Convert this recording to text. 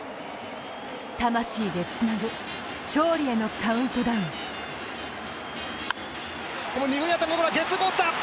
魂でつなぐ、勝利へのカウントダウン鈍い当たり、ゲッツーコースだ。